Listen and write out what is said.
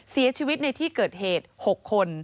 เสียชีวิตในที่เกิดเหตุ๖คน